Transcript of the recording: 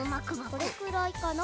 これくらいかな？